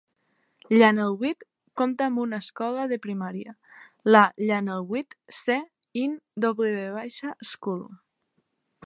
Llanelweed compta amb una Escola de Primària, la Llanelweed C in W School.